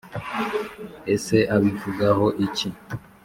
ese abivugaho iki? '